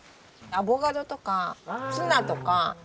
アボカドとかツナとか。